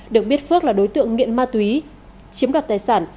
được biết phước là đối tượng nghiện ma túy chiếm đoạt tài sản